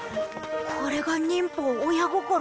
これが忍法親心。